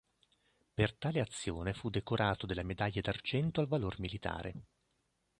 Per tale azione fu decorato della medaglia d'argento al Valor Militare.